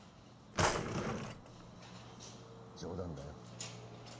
冗談だよ。